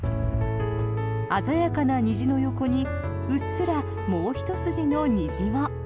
鮮やかな虹の横にうっすらもうひと筋の虹も。